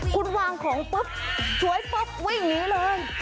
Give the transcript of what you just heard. คุณวางของปุ๊บสวยปุ๊บวิ่งหนีเลย